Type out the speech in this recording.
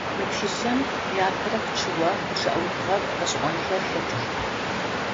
Мы тхылъым иапэрэ пычыгъо гущыӏэухыгъэ гъэшӏэгъонхэр хэтых.